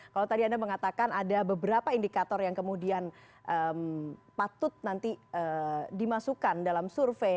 kalau tadi anda mengatakan ada beberapa indikator yang kemudian patut nanti dimasukkan dalam survei